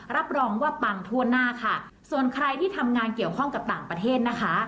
รับรองว่าปังทั่วหน้าค่ะส่วนใครที่ทำงานเกี่ยวข้องกับต่างประเทศนะคะ